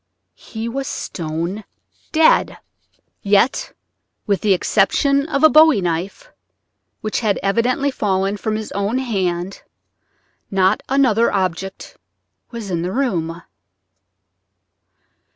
He was stone dead. Yet with the exception of a bowie knife, which had evidently fallen from his own hand, not another object was in the room.